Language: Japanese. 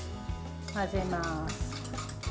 混ぜます。